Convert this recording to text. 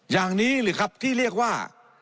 อย่างนี้หรือครับที่เรียกว่า